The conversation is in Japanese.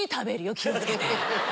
気をつけて！